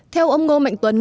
theo ông ngô mạnh tuấn